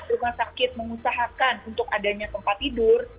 rumah sakit mengusahakan untuk adanya tempat tidur